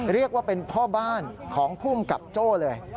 เรียกว่าเป็นพ่อบ้านของภูมิกับโจ้เลย